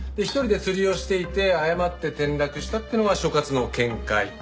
１人で釣りをしていて誤って転落したっていうのが所轄の見解。